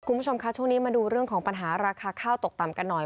คุณผู้ชมคะช่วงนี้มาดูเรื่องของปัญหาราคาข้าวตกต่ำกันหน่อย